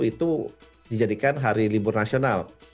itu dijadikan hari libur nasional